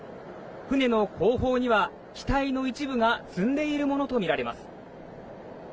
船の後方には機体の一部が積んでいるものとみられます。